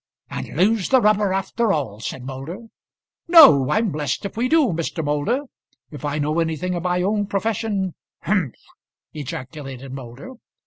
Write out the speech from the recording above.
"And lose the rubber after all," said Moulder. "No, I'm blessed if we do, Mr. Moulder. If I know anything of my own profession " "Humph!" ejaculated Moulder.